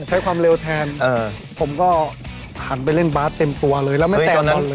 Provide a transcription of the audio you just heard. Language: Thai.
ใช้ความเร็วแทนผมก็หันไปเล่นบาสเต็มตัวเลยแล้วไม่แซงอะไรเลย